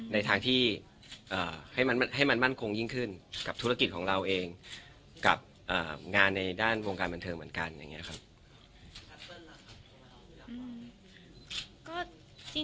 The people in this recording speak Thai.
ในทางที่ให้มันมั่นคงยิ่งขึ้นกับธุรกิจของเราเองกับงานในด้านวงการบันเทิงเหมือนกันอย่างนี้ครับ